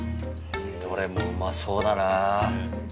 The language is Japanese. どれもうまそうだな。